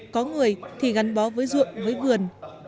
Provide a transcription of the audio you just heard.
có người thì gắn bó với ruộng với vườn